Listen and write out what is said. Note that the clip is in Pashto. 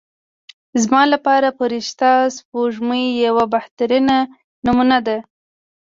زما لپاره فرشته سپوږمۍ یوه بهترینه نمونه ده.